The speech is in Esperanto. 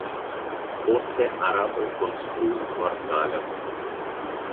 Poste araboj konstruis kvartalon.